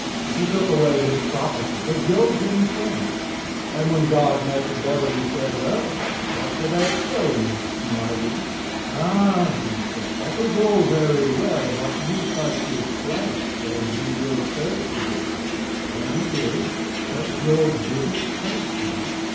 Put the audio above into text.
He took away his property, but Job didn't sin; and when God met the devil, he said: "Well, what did I tell you, smarty?" "Ah," he said, "that is all very well, but you touch his flesh and he will curse you; and he did, but Job didn't curse him.